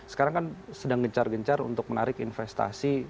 sekarang kan sedang gencar gencar untuk menarik investasi